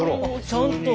ちゃんと。